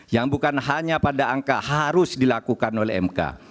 yang bukan hanya pada angka harus dilakukan oleh mk